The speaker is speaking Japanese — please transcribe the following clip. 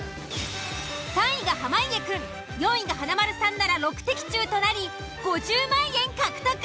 ３位が濱家くん４位が華丸さんなら６的中となり５０万円獲得！